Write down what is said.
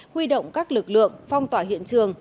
huy động các lực lượng phong tỏa hiện trường